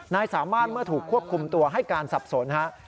นายสามารถเมื่อถูกควบคุมตัวให้การสับสนฮะ